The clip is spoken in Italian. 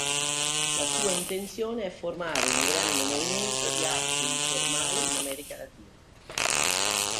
La sua intenzione è formare un grande movimento di arte informale in America latina.